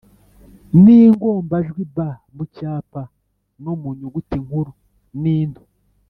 n’ingombajwi b mu cyapa no mu nyuguti nkuru n’into;.